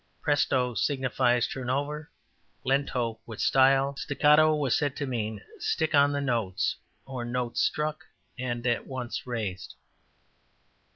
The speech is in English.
`Presto' signifies `turn over,' `Lento' `with style.' `Staccato' was said to mean `stick on the notes,' or `notes struck and at once raised.'